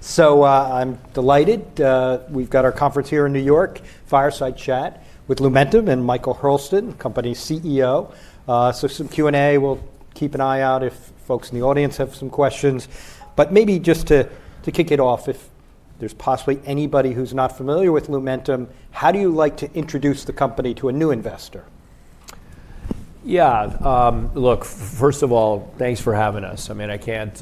So, I'm delighted. We've got our conference here in New York, Fireside Chat, with Lumentum and Michael Hurlston, company CEO. So, some Q&A. We'll keep an eye out if folks in the audience have some questions. But maybe just to kick it off, if there's possibly anybody who's not familiar with Lumentum, how do you like to introduce the company to a new investor? Yeah. Look, first of all, thanks for having us. I mean, I can't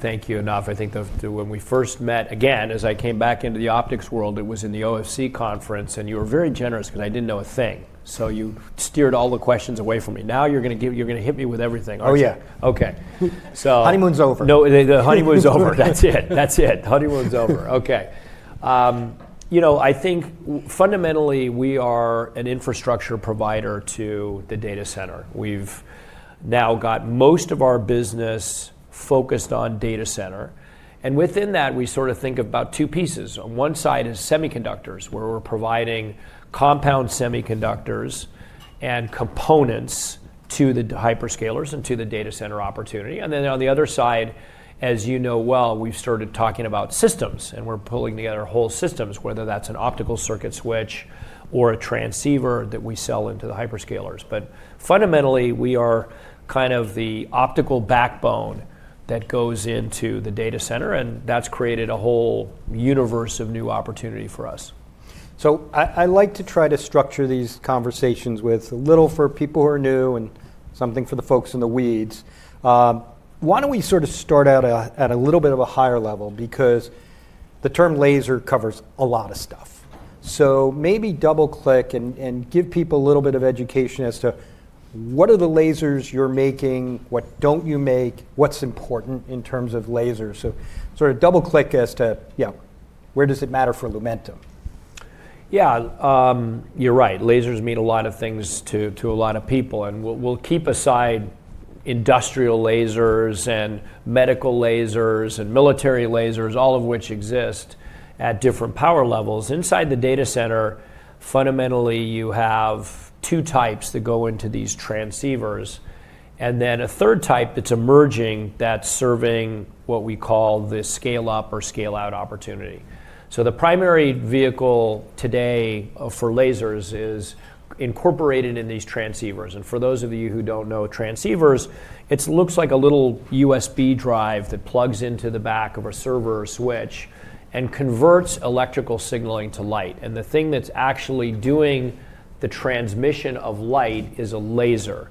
thank you enough. I think when we first met, again, as I came back into the optics world, it was in the OFC conference, and you were very generous because I didn't know a thing. So, you steered all the questions away from me. Now you're going to hit me with everything. Oh, yeah. Okay. Honeymoon's over. No, the honeymoon's over. That's it. That's it. Honeymoon's over. Okay. You know, I think fundamentally we are an infrastructure provider to the data center. We've now got most of our business focused on data center. And within that, we sort of think of about two pieces. On one side is semiconductors, where we're providing compound semiconductors and components to the hyperscalers and to the data center opportunity. And then on the other side, as you know well, we've started talking about systems, and we're pulling together whole systems, whether that's an optical circuit switch or a transceiver that we sell into the hyperscalers. But fundamentally, we are kind of the optical backbone that goes into the data center, and that's created a whole universe of new opportunity for us. So, I like to try to structure these conversations with a little for people who are new and something for the folks in the weeds. Why don't we sort of start out at a little bit of a higher level? Because the term laser covers a lot of stuff. So, maybe double-click and give people a little bit of education as to what are the lasers you're making, what don't you make, what's important in terms of lasers. So, sort of double-click as to, yeah, where does it matter for Lumentum? Yeah, you're right. Lasers mean a lot of things to a lot of people. And we'll keep aside industrial lasers and medical lasers and military lasers, all of which exist at different power levels. Inside the data center, fundamentally, you have two types that go into these transceivers, and then a third type that's emerging that's serving what we call the scale-up or scale-out opportunity. So, the primary vehicle today for lasers is incorporated in these transceivers. And for those of you who don't know, transceivers, it looks like a little USB drive that plugs into the back of a server or switch and converts electrical signaling to light. And the thing that's actually doing the transmission of light is a laser.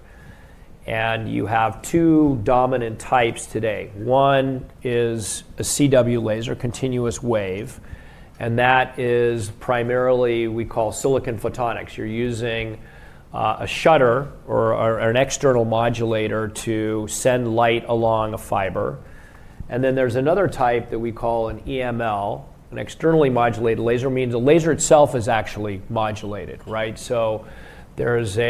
And you have two dominant types today. One is a CW laser, continuous wave, and that is primarily what we call silicon photonics. You're using a shutter or an external modulator to send light along a fiber. And then there's another type that we call an EML, an externally modulated laser. It means the laser itself is actually modulated, right? So, there's an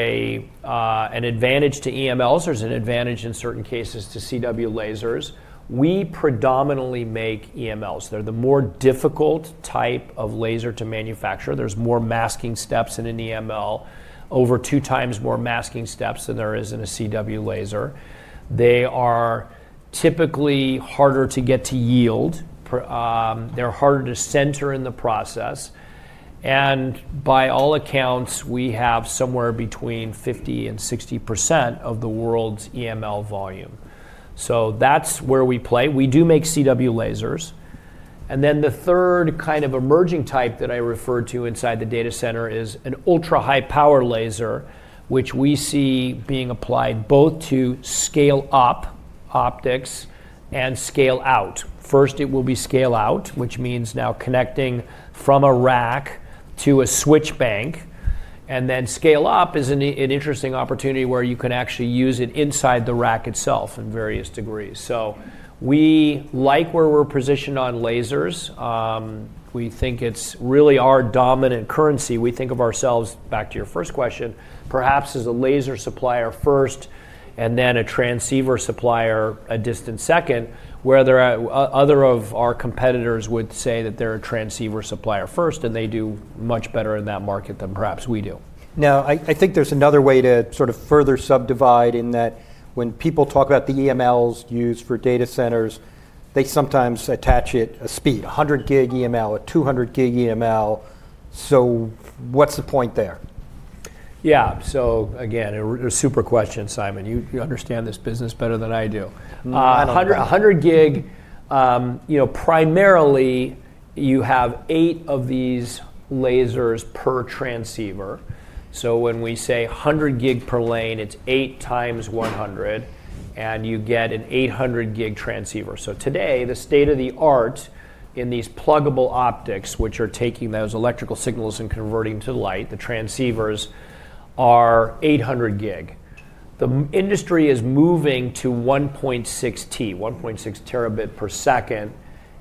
advantage to EMLs. There's an advantage in certain cases to CW lasers. We predominantly make EMLs. They're the more difficult type of laser to manufacture. There's more masking steps in an EML, over two times more masking steps than there is in a CW laser. They are typically harder to get to yield. They're harder to center in the process. And by all accounts, we have somewhere between 50% and 60% of the world's EML volume. So, that's where we play. We do make CW lasers. And then the third kind of emerging type that I refer to inside the data center is an ultra-high power laser, which we see being applied both to scale-up optics and scale-out. First, it will be scale-out, which means now connecting from a rack to a switch bank. And then scale-up is an interesting opportunity where you can actually use it inside the rack itself in various degrees. So, we like where we're positioned on lasers. We think it's really our dominant currency. We think of ourselves, back to your first question, perhaps as a laser supplier first and then a transceiver supplier a distant second, where other of our competitors would say that they're a transceiver supplier first, and they do much better in that market than perhaps we do. Now, I think there's another way to sort of further subdivide in that when people talk about the EMLs used for data centers, they sometimes attach it a speed, 100 gig EML, a 200 gig EML. So, what's the point there? Yeah. So, again, a super question, Simon. You understand this business better than I do. 100 gig, you know, primarily you have eight of these lasers per transceiver. So, when we say 100 gig per lane, it's eight times 100, and you get an 800 gig transceiver. So, today, the state of the art in these pluggable optics, which are taking those electrical signals and converting to light, the transceivers are 800 gig. The industry is moving to 1.6T, 1.6 terabit per second,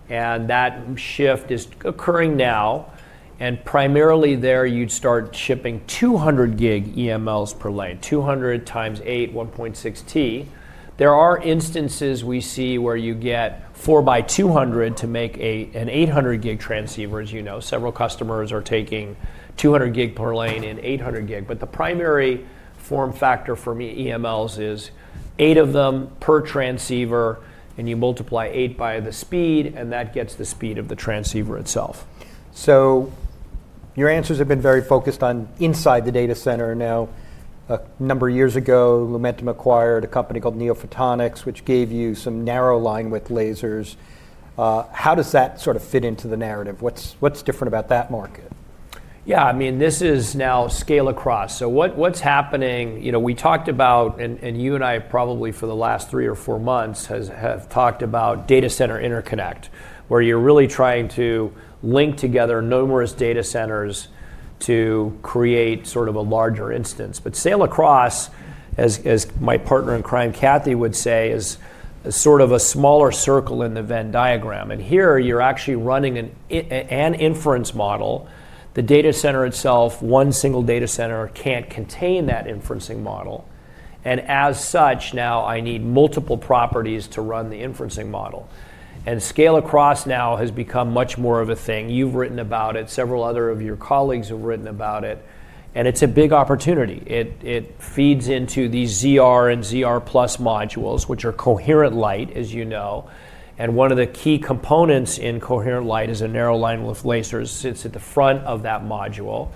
and that shift is occurring now. And primarily there, you'd start shipping 200 gig EMLs per lane, 200 times 8, 1.6T. There are instances we see where you get 4 by 200 to make an 800 gig transceiver, as you know. Several customers are taking 200 gig per lane and 800 gig. But the primary form factor for me, EMLs, is eight of them per transceiver, and you multiply eight by the speed, and that gets the speed of the transceiver itself. So, your answers have been very focused on inside the data center. Now, a number of years ago, Lumentum acquired a company called NeoPhotonics, which gave you some narrow linewidth lasers. How does that sort of fit into the narrative? What's different about that market? Yeah, I mean, this is now scale across. So, what's happening, you know, we talked about, and you and I probably for the last three or four months have talked about data center interconnect, where you're really trying to link together numerous data centers to create sort of a larger instance. But scale across, as my partner in crime, Kathy, would say, is sort of a smaller circle in the Venn diagram. And here, you're actually running an inference model. The data center itself, one single data center, can't contain that inferencing model. And as such, now I need multiple properties to run the inferencing model. And scale across now has become much more of a thing. You've written about it. Several other of your colleagues have written about it. And it's a big opportunity. It feeds into these ZR and ZR Plus modules, which are coherent light, as you know. One of the key components in coherent light is a narrow linewidth lasers that sits at the front of that module.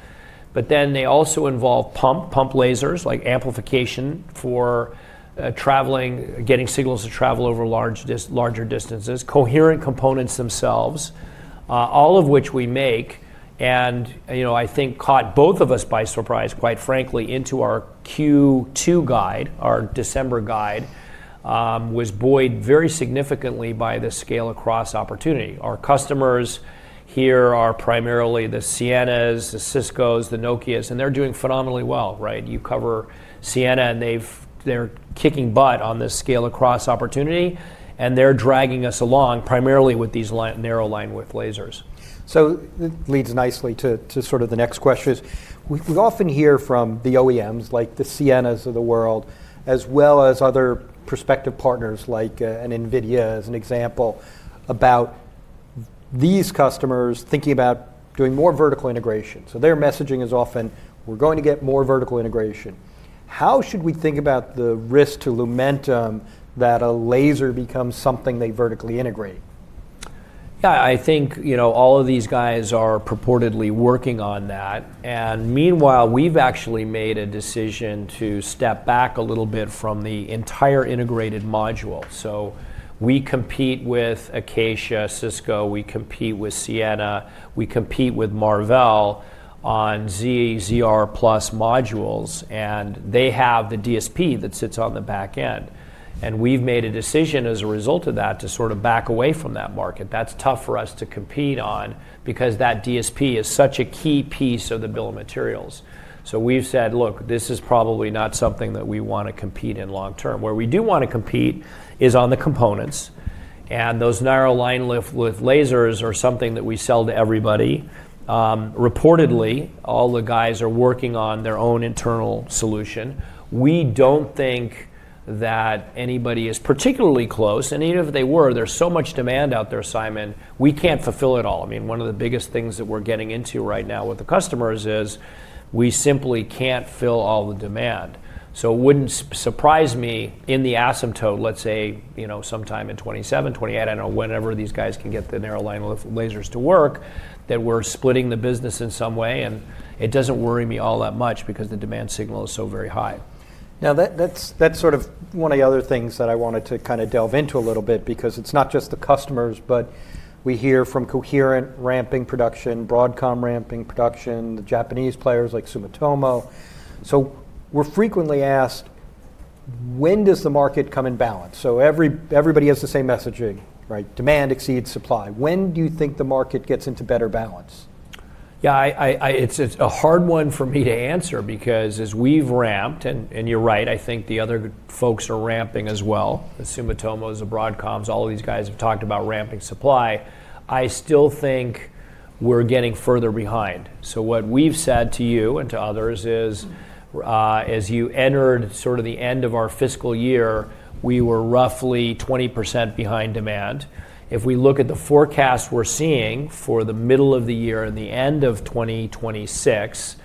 But then they also involve pump lasers, like amplification for traveling, getting signals to travel over larger distances, coherent components themselves, all of which we make. You know, I think caught both of us by surprise, quite frankly, into our Q2 guide, our December guide, was buoyed very significantly by the scale-across opportunity. Our customers here are primarily the Cienas, the Ciscos, the Nokias, and they're doing phenomenally well, right? You cover Ciena, and they're kicking butt on the scale-across opportunity, and they're dragging us along primarily with these narrow linewidth lasers. So, it leads nicely to sort of the next question. We often hear from the OEMs, like the Cienas of the world, as well as other prospective partners, like an NVIDIA, as an example, about these customers thinking about doing more vertical integration. So, their messaging is often, we're going to get more vertical integration. How should we think about the risk to Lumentum that a laser becomes something they vertically integrate? Yeah, I think, you know, all of these guys are purportedly working on that. And meanwhile, we've actually made a decision to step back a little bit from the entire integrated module. So, we compete with Acacia, Cisco, we compete with Ciena, we compete with Marvell on ZR, ZR Plus modules, and they have the DSP that sits on the back end. And we've made a decision as a result of that to sort of back away from that market. That's tough for us to compete on because that DSP is such a key piece of the bill of materials. So, we've said, look, this is probably not something that we want to compete in long term. Where we do want to compete is on the components. And those narrow linewidth lasers are something that we sell to everybody. Reportedly, all the guys are working on their own internal solution. We don't think that anybody is particularly close. And even if they were, there's so much demand out there, Simon, we can't fulfill it all. I mean, one of the biggest things that we're getting into right now with the customers is we simply can't fill all the demand. So, it wouldn't surprise me in the asymptote, let's say, you know, sometime in 2027, 2028, I don't know, whenever these guys can get the narrow linewidth lasers to work, that we're splitting the business in some way. And it doesn't worry me all that much because the demand signal is so very high. Now, that's sort of one of the other things that I wanted to kind of delve into a little bit because it's not just the customers, but we hear from Coherent ramping production, Broadcom ramping production, the Japanese players like Sumitomo. So, we're frequently asked, when does the market come in balance? So, everybody has the same messaging, right? Demand exceeds supply. When do you think the market gets into better balance? Yeah, it's a hard one for me to answer because as we've ramped, and you're right, I think the other folks are ramping as well. The Sumitomos, the Broadcoms, all of these guys have talked about ramping supply. I still think we're getting further behind. So, what we've said to you and to others is, as you entered sort of the end of our fiscal year, we were roughly 20% behind demand. If we look at the forecast we're seeing for the middle of the year and the end of 2026,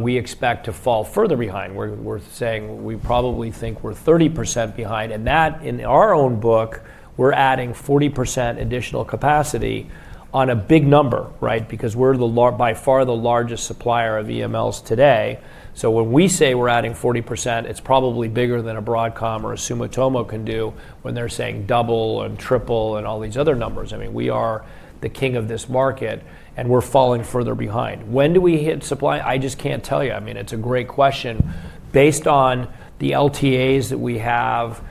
we expect to fall further behind. We're saying we probably think we're 30% behind. And that, in our own book, we're adding 40% additional capacity on a big number, right? Because we're by far the largest supplier of EMLs today. So, when we say we're adding 40%, it's probably bigger than a Broadcom or a Sumitomo can do when they're saying double and triple and all these other numbers. I mean, we are the king of this market, and we're falling further behind. When do we hit supply? I just can't tell you. I mean, it's a great question. Based on the LTAs that we have,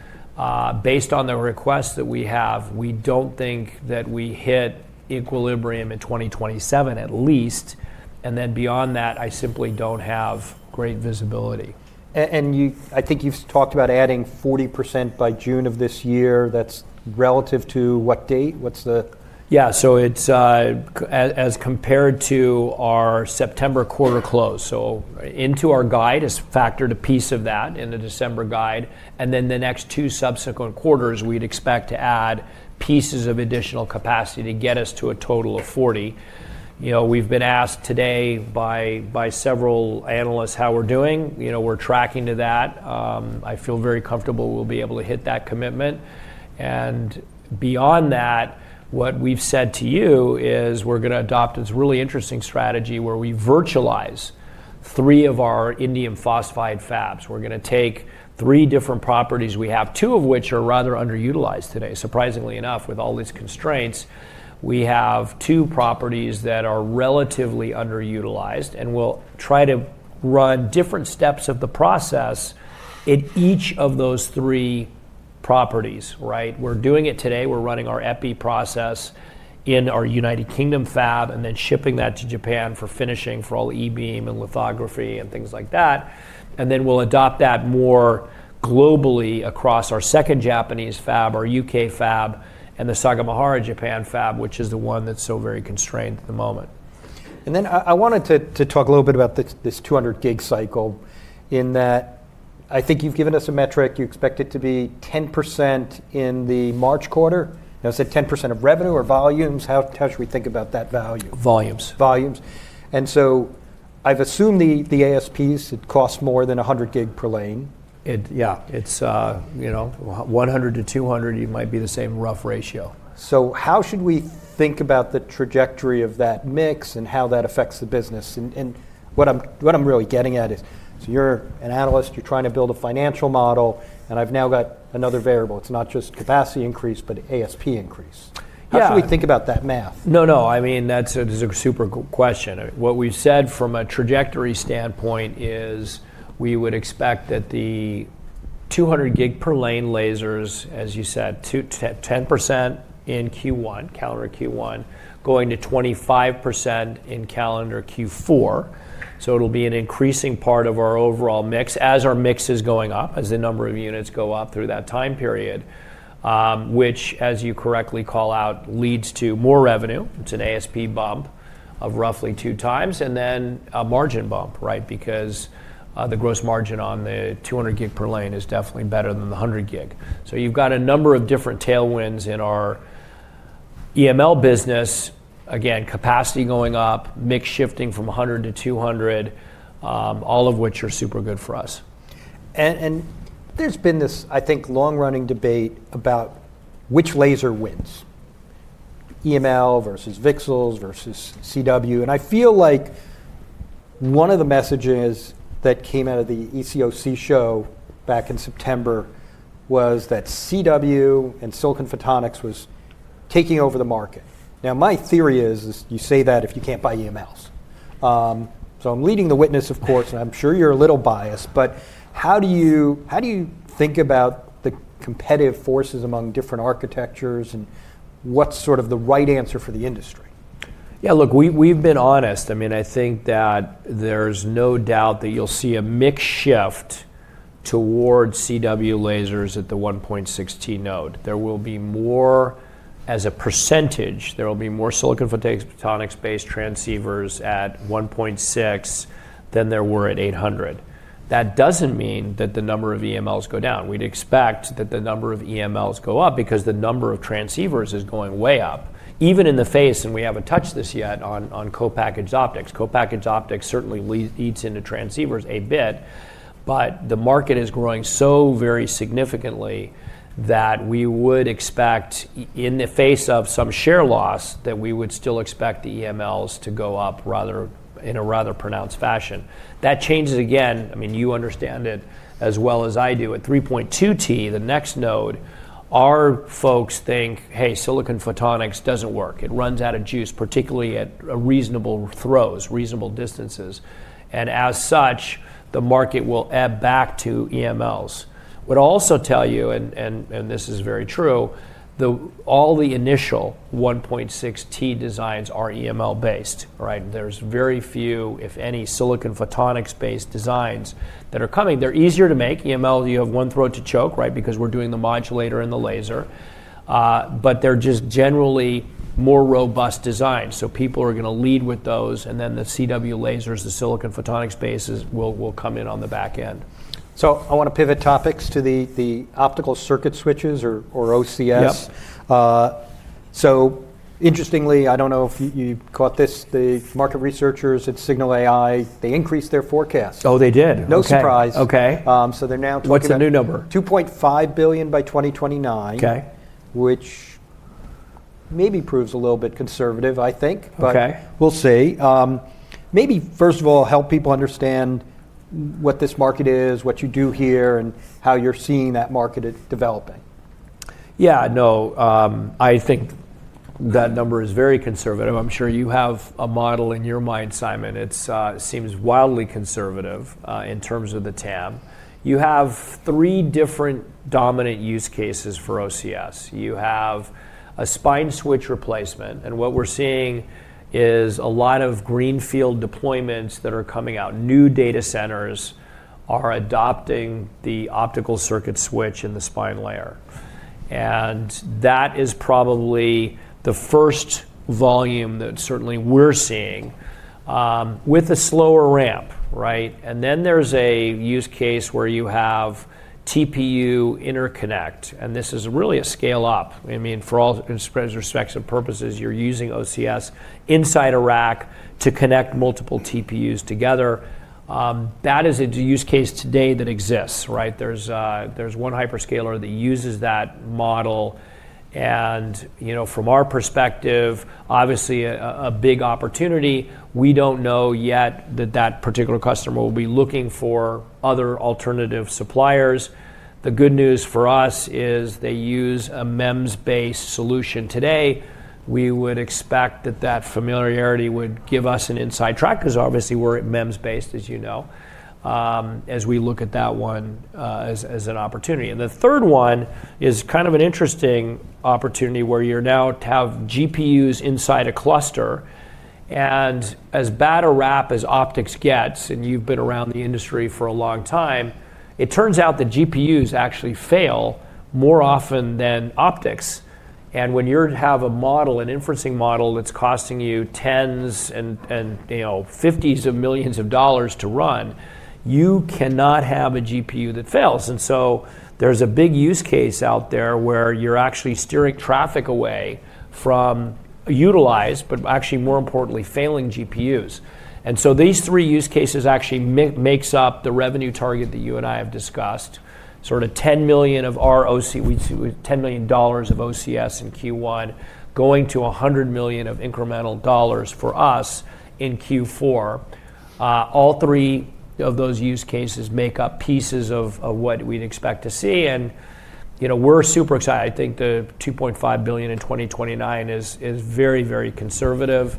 based on the requests that we have, we don't think that we hit equilibrium in 2027, at least. And then beyond that, I simply don't have great visibility. And I think you've talked about adding 40% by June of this year. That's relative to what date? What's the? Yeah, so it's as compared to our September quarter close. So, into our guide is factored a piece of that in the December guide. And then the next two subsequent quarters, we'd expect to add pieces of additional capacity to get us to a total of 40. You know, we've been asked today by several analysts how we're doing. You know, we're tracking to that. I feel very comfortable we'll be able to hit that commitment. And beyond that, what we've said to you is we're going to adopt this really interesting strategy where we virtualize three of our indium phosphide fabs. We're going to take three different properties. We have two of which are rather underutilized today. Surprisingly enough, with all these constraints, we have two properties that are relatively underutilized. And we'll try to run different steps of the process in each of those three properties, right? We're doing it today. We're running our EPI process in our United Kingdom fab and then shipping that to Japan for finishing for all the E-beam and lithography and things like that, and then we'll adopt that more globally across our second Japanese fab, our UK fab, and the Sagamahara Japan fab, which is the one that's so very constrained at the moment. Then I wanted to talk a little bit about this 200 gig cycle in that I think you've given us a metric. You expect it to be 10% in the March quarter. Now, is it 10% of revenue or volumes? How should we think about that value? Volumes. Volumes and so, I've assumed the ASPs cost more than 100 gig per lane. Yeah, it's, you know, 100 to 200. It might be the same rough ratio. So, how should we think about the trajectory of that mix and how that affects the business? And what I'm really getting at is, so you're an analyst, you're trying to build a financial model, and I've now got another variable. It's not just capacity increase, but ASP increase. How should we think about that math? No, no. I mean, that's a super question. What we've said from a trajectory standpoint is we would expect that the 200 gig per lane lasers, as you said, 10% in Q1, calendar Q1, going to 25% in calendar Q4. So, it'll be an increasing part of our overall mix as our mix is going up, as the number of units go up through that time period, which, as you correctly call out, leads to more revenue. It's an ASP bump of roughly two times and then a margin bump, right? Because the gross margin on the 200 gig per lane is definitely better than the 100 gig. So, you've got a number of different tailwinds in our EML business. Again, capacity going up, mix shifting from 100 to 200, all of which are super good for us. And there's been this, I think, long-running debate about which laser wins, EML versus VCSELs versus CW. And I feel like one of the messages that came out of the ECOC show back in September was that CW and Silicon Photonics was taking over the market. Now, my theory is you say that if you can't buy EMLs. So, I'm leading the witness, of course, and I'm sure you're a little biased, but how do you think about the competitive forces among different architectures and what's sort of the right answer for the industry? Yeah, look, we've been honest. I mean, I think that there's no doubt that you'll see a mix shift towards CW lasers at the 1.6T node. There will be more, as a percentage, there will be more Silicon Photonics-based transceivers at 1.6 than there were at 800. That doesn't mean that the number of EMLs go down. We'd expect that the number of EMLs go up because the number of transceivers is going way up, even in the phase, and we haven't touched this yet on co-packaged optics. Co-packaged optics certainly eats into transceivers a bit, but the market is growing so very significantly that we would expect, in the face of some share loss, that we would still expect the EMLs to go up in a rather pronounced fashion. That changes again. I mean, you understand it as well as I do. At 3.2T, the next node, our folks think, hey, Silicon Photonics doesn't work. It runs out of juice, particularly at reasonable throws, reasonable distances. And as such, the market will ebb back to EMLs. I would also tell you, and this is very true, all the initial 1.6T designs are EML-based, right? There's very few, if any, Silicon Photonics-based designs that are coming. They're easier to make. EML, you have one throat to choke, right? Because we're doing the modulator and the laser. But they're just generally more robust designs. So, people are going to lead with those, and then the CW lasers, the Silicon Photonics-based will come in on the back end. So, I want to pivot topics to the optical circuit switches or OCS. Interestingly, I don't know if you caught this, the market researchers at Cignal AI, they increased their forecast. Oh, they did. No surprise. Okay. They're now. What's the new number? 2.5 billion by 2029, which maybe proves a little bit conservative, I think, but we'll see. Maybe, first of all, help people understand what this market is, what you do here, and how you're seeing that market developing. Yeah, no, I think that number is very conservative. I'm sure you have a model in your mind, Simon. It seems wildly conservative in terms of the TAM. You have three different dominant use cases for OCS. You have a spine switch replacement, and what we're seeing is a lot of greenfield deployments that are coming out. New data centers are adopting the optical circuit switch in the spine layer, and that is probably the first volume that certainly we're seeing with a slower ramp, right? And then there's a use case where you have TPU interconnect, and this is really a scale-up. I mean, for all respects and purposes, you're using OCS inside a rack to connect multiple TPUs together, that is a use case today that exists, right? There's one hyperscaler that uses that model, and, you know, from our perspective, obviously a big opportunity. We don't know yet that that particular customer will be looking for other alternative suppliers. The good news for us is they use a MEMS-based solution today. We would expect that that familiarity would give us an inside track because obviously we're a MEMS-based, as you know, as we look at that one as an opportunity. And the third one is kind of an interesting opportunity where you're now to have GPUs inside a cluster. And as bad a rap as optics gets, and you've been around the industry for a long time, it turns out that GPUs actually fail more often than optics. And when you have a model, an inferencing model that's costing you tens and, you know, fifties of millions of dollars to run, you cannot have a GPU that fails. And so there's a big use case out there where you're actually steering traffic away from utilized, but actually more importantly, failing GPUs. And so these three use cases actually make up the revenue target that you and I have discussed. Sort of $10 million of ROC, $10 million of OCS in Q1 going to $100 million of incremental dollars for us in Q4. All three of those use cases make up pieces of what we'd expect to see. And, you know, we're super excited. I think the $2.5 billion in 2029 is very, very conservative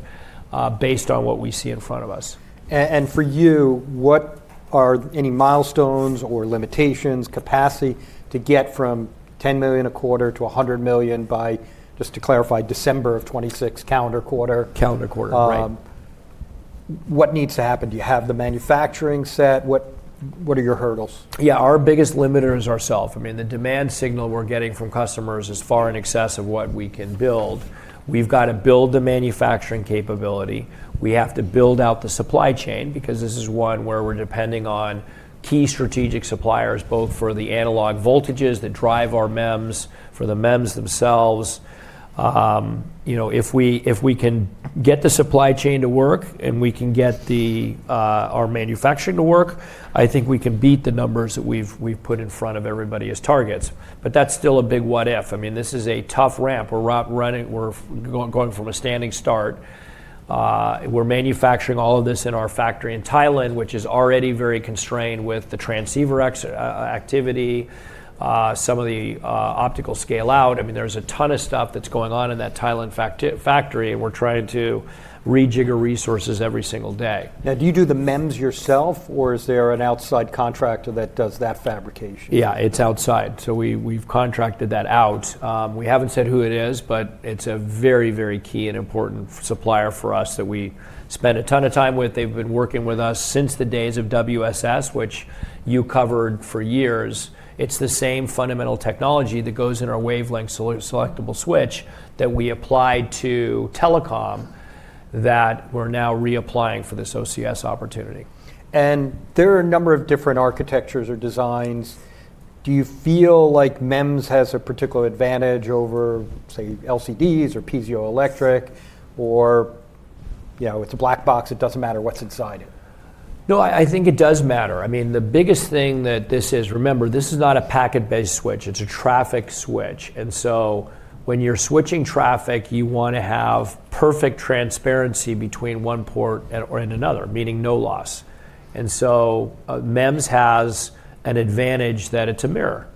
based on what we see in front of us. For you, what are any milestones or limitations, capacity to get from 10 million a quarter to 100 million by, just to clarify, December of 2026, calendar quarter? Calendar quarter, right? What needs to happen? Do you have the manufacturing set? What are your hurdles? Yeah, our biggest limiter is ourself. I mean, the demand signal we're getting from customers is far in excess of what we can build. We've got to build the manufacturing capability. We have to build out the supply chain because this is one where we're depending on key strategic suppliers, both for the analog voltages that drive our MEMS, for the MEMS themselves. You know, if we can get the supply chain to work and we can get our manufacturing to work, I think we can beat the numbers that we've put in front of everybody as targets. But that's still a big what-if. I mean, this is a tough ramp. We're running, we're going from a standing start. We're manufacturing all of this in our factory in Thailand, which is already very constrained with the transceiver activity, some of the optical scale-out. I mean, there's a ton of stuff that's going on in that Thailand factory, and we're trying to rejigger resources every single day. Now, do you do the MEMS yourself, or is there an outside contractor that does that fabrication? Yeah, it's outside, so we've contracted that out. We haven't said who it is, but it's a very, very key and important supplier for us that we spend a ton of time with. They've been working with us since the days of WSS, which you covered for years. It's the same fundamental technology that goes in our wavelength selectable switch that we applied to telecom that we're now reapplying for this OCS opportunity. There are a number of different architectures or designs. Do you feel like MEMS has a particular advantage over, say, LCDs or piezoelectric, or, you know, it's a black box, it doesn't matter what's inside it? No, I think it does matter. I mean, the biggest thing that this is, remember, this is not a packet-based switch. It's a traffic switch. And so when you're switching traffic, you want to have perfect transparency between one port and another, meaning no loss. And so MEMS has an advantage that it's a mirror.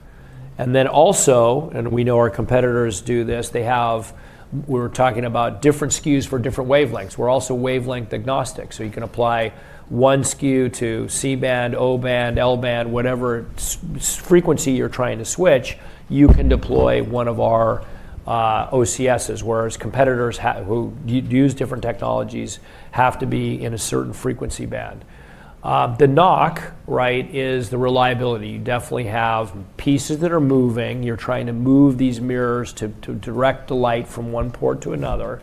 And then also, and we know our competitors do this, they have, we're talking about different SKUs for different wavelengths. We're also wavelength agnostic. So you can apply one SKU to C-band, O-band, L-band, whatever frequency you're trying to switch, you can deploy one of our OCSs, whereas competitors who use different technologies have to be in a certain frequency band. The knock, right, is the reliability. You definitely have pieces that are moving. You're trying to move these mirrors to direct the light from one port to another.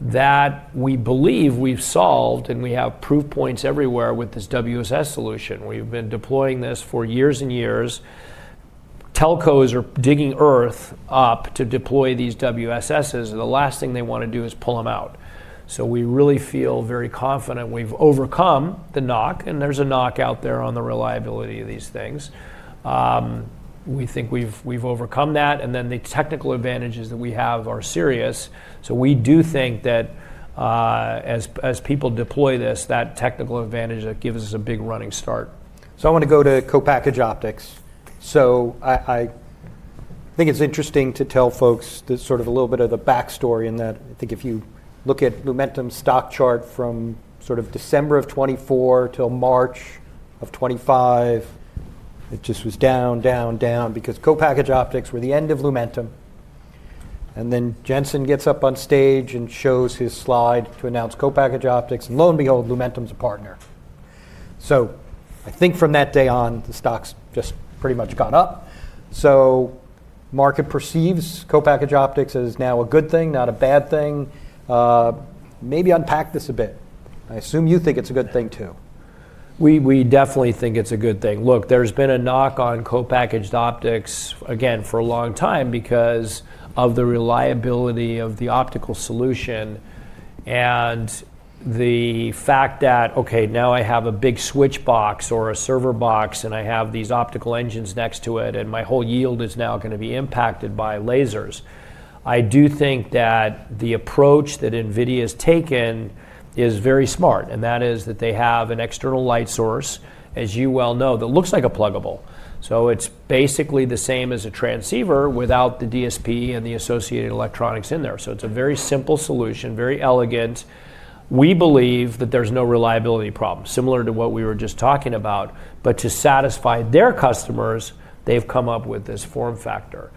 That we believe we've solved, and we have proof points everywhere with this WSS solution. We've been deploying this for years and years. Telcos are digging earth up to deploy these WSSs. The last thing they want to do is pull them out. So we really feel very confident we've overcome the knock, and there's a knock out there on the reliability of these things. We think we've overcome that, and then the technical advantages that we have are serious. So we do think that as people deploy this, that technical advantage gives us a big running start. I want to go to co-package optics. I think it's interesting to tell folks that sort of a little bit of the backstory in that I think if you look at Lumentum's stock chart from sort of December of 2024 till March of 2025, it just was down, down, down because co-package optics were the end of Lumentum. And then Jensen gets up on stage and shows his slide to announce co-package optics, and lo and behold, Lumentum's a partner. I think from that day on, the stock's just pretty much gone up. Market perceives co-package optics as now a good thing, not a bad thing. Maybe unpack this a bit. I assume you think it's a good thing too. We definitely think it's a good thing. Look, there's been a knock on co-packaged optics again for a long time because of the reliability of the optical solution and the fact that, okay, now I have a big switch box or a server box, and I have these optical engines next to it, and my whole yield is now going to be impacted by lasers. I do think that the approach that NVIDIA has taken is very smart, and that is that they have an external light source, as you well know, that looks like a pluggable. So it's basically the same as a transceiver without the DSP and the associated electronics in there. So it's a very simple solution, very elegant. We believe that there's no reliability problem, similar to what we were just talking about, but to satisfy their customers, they've come up with this form factor.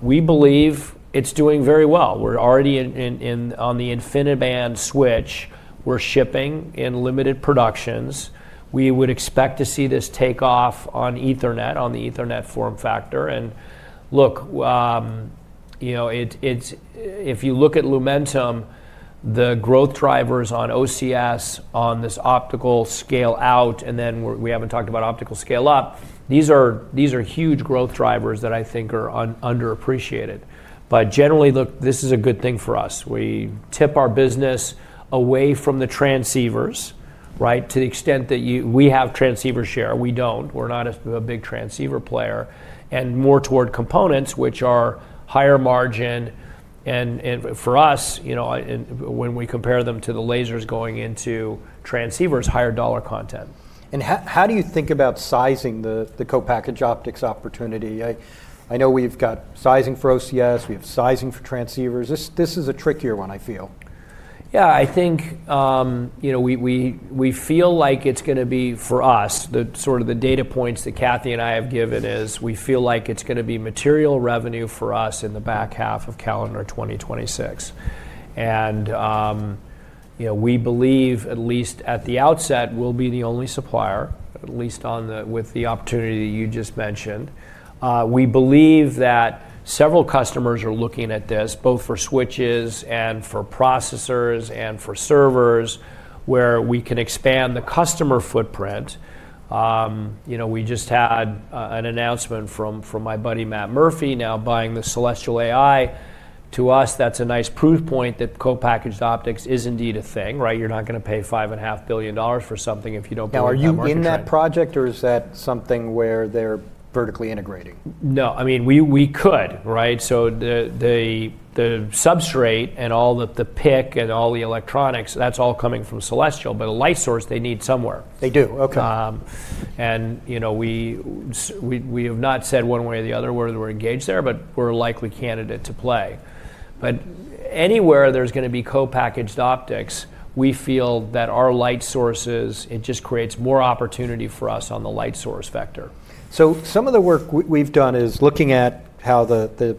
We believe it's doing very well. We're already on the InfiniBand switch. We're shipping in limited productions. We would expect to see this take off on Ethernet, on the Ethernet form factor. Look, you know, if you look at Lumentum, the growth drivers on OCS, on this optical scale-out, and then we haven't talked about optical scale-up. These are huge growth drivers that I think are underappreciated. Generally, look, this is a good thing for us. We tip our business away from the transceivers, right, to the extent that we have transceiver share. We don't. We're not a big transceiver player and more toward components, which are higher margin. For us, you know, when we compare them to the lasers going into transceivers, higher dollar content. How do you think about sizing the co-packaged optics opportunity? I know we've got sizing for OCS. We have sizing for transceivers. This is a trickier one, I feel. Yeah, I think, you know, we feel like it's going to be for us, the sort of the data points that Kathy and I have given is we feel like it's going to be material revenue for us in the back half of calendar 2026. And, you know, we believe at least at the outset, we'll be the only supplier, at least with the opportunity that you just mentioned. We believe that several customers are looking at this, both for switches and for processors and for servers, where we can expand the customer footprint. You know, we just had an announcement from my buddy Matt Murphy now buying the Celestial AI to us. That's a nice proof point that co-packaged optics is indeed a thing, right? You're not going to pay $5.5 billion for something if you don't buy the market. Now, are you in that project, or is that something where they're vertically integrating? No, I mean, we could, right? So the substrate and all the PIC and all the electronics, that's all coming from Celestial, but a light source they need somewhere. They do, okay. You know, we have not said one way or the other where we're engaged there, but we're a likely candidate to play. Anywhere there's going to be co-packaged optics, we feel that our light sources. It just creates more opportunity for us on the light source vector. So some of the work we've done is looking at how the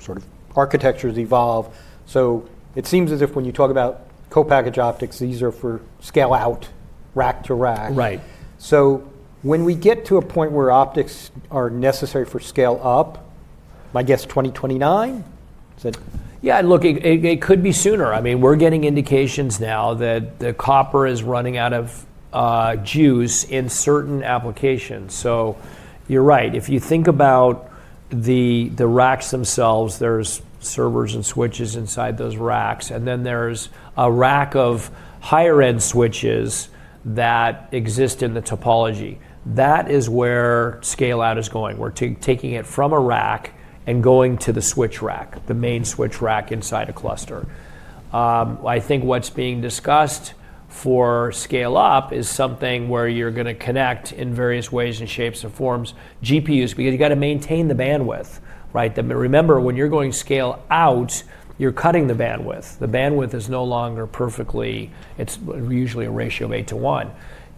sort of architectures evolve. So it seems as if when you talk about co-packaged optics, these are for scale-out, rack to rack. Right. So when we get to a point where optics are necessary for scale-up, my guess, 2029? Yeah, and look, it could be sooner. I mean, we're getting indications now that the copper is running out of juice in certain applications. So you're right. If you think about the racks themselves, there's servers and switches inside those racks, and then there's a rack of higher-end switches that exist in the topology. That is where scale-out is going, where taking it from a rack and going to the switch rack, the main switch rack inside a cluster. I think what's being discussed for scale-up is something where you're going to connect in various ways and shapes and forms GPUs, because you got to maintain the bandwidth, right? Remember, when you're going scale-out, you're cutting the bandwidth. The bandwidth is no longer perfectly. It's usually a ratio of eight to one.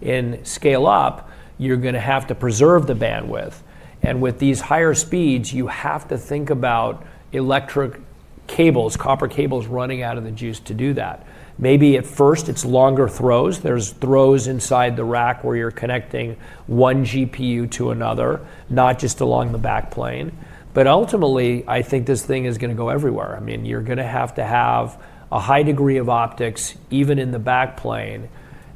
In scale-up, you're going to have to preserve the bandwidth. And with these higher speeds, you have to think about electric cables, copper cables running out of the juice to do that. Maybe at first, it's longer throws. There's throws inside the rack where you're connecting one GPU to another, not just along the backplane. But ultimately, I think this thing is going to go everywhere. I mean, you're going to have to have a high degree of optics even in the backplane.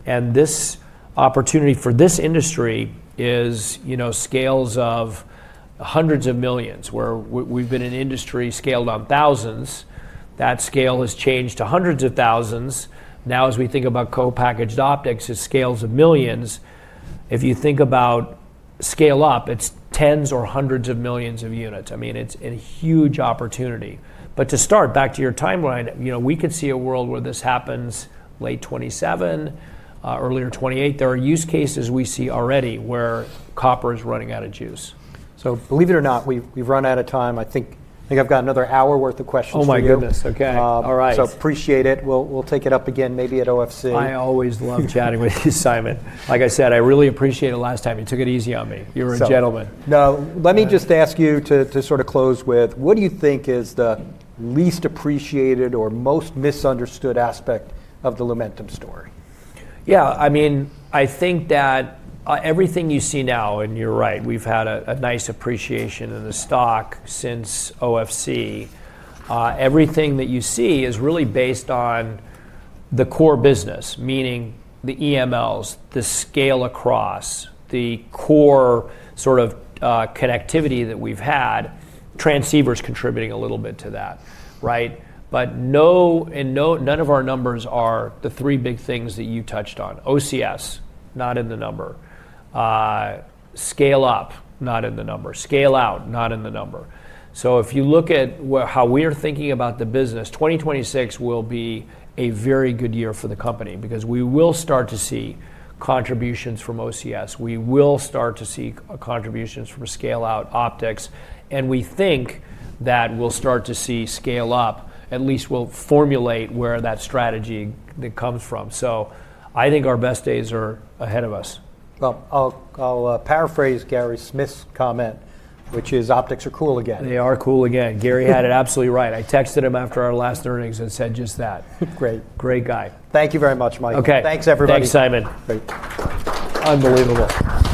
And this opportunity for this industry is, you know, scales of hundreds of millions, where we've been an industry scaled on thousands. That scale has changed to hundreds of thousands. Now, as we think about co-packaged optics as scales of millions, if you think about scale-up, it's tens or hundreds of millions of units. I mean, it's a huge opportunity. But to start, back to your timeline, you know, we could see a world where this happens late 2027, earlier 2028. There are use cases we see already where copper is running out of juice. So believe it or not, we've run out of time. I think I've got another hour's worth of questions for you. Oh my goodness, okay. All right. Appreciate it. We'll take it up again maybe at OFC. I always love chatting with you, Simon. Like I said, I really appreciate it last time. You took it easy on me. You're a gentleman. Now, let me just ask you to sort of close with, what do you think is the least appreciated or most misunderstood aspect of the Lumentum story? Yeah, I mean, I think that everything you see now, and you're right, we've had a nice appreciation in the stock since OFC. Everything that you see is really based on the core business, meaning the EMLs, the scale across, the core sort of connectivity that we've had, transceivers contributing a little bit to that, right? But none of our numbers are the three big things that you touched on. OCS, not in the number. Scale-up, not in the number. Scale-out, not in the number. So if you look at how we're thinking about the business, 2026 will be a very good year for the company because we will start to see contributions from OCS. We will start to see contributions from scale-out optics. And we think that we'll start to see scale-up, at least we'll formulate where that strategy comes from. So I think our best days are ahead of us. I'll paraphrase Gary Smith's comment, which is optics are cool again. They are cool again. Gary had it absolutely right. I texted him after our last earnings and said just that. Great, great guy. Thank you very much, Mike. Okay, thanks everybody. Thanks, Simon. Great. Unbelievable.